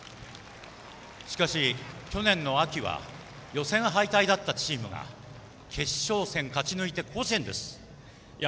しかし、去年の秋は予選敗退だったチームが決勝戦を勝ち抜いて甲子園です。